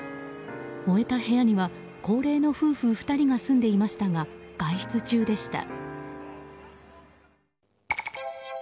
燃えた部屋には高齢の夫婦２人が住んでいましたが外出中でした。